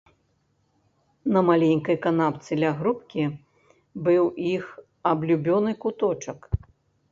На маленькай канапцы ля грубкі быў іх аблюбёны куточак.